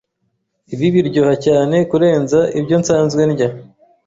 Ibi biryoha cyane kurenza ibyo nsanzwe ndya.